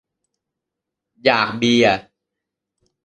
อยากเบียร์